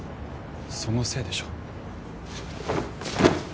そのせいでしょう